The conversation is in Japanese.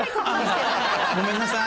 ごめんなさい。